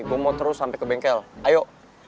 gua mau terus sampe ke bengkel ayo